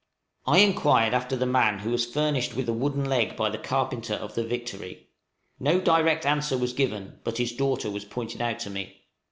I inquired after the man who was furnished with a wooden leg by the carpenter of the 'Victory:' no direct answer was given, but his daughter was pointed out to me.